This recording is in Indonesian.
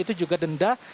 itu juga denda